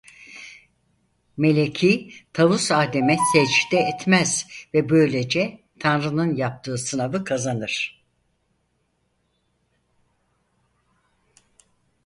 Melek-i Tavus Adem'e secde etmez ve böylece Tanrı'nın yaptığı sınavı kazanır.